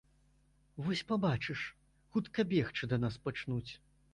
Вось пабачыш, хутка бегчы да нас пачнуць.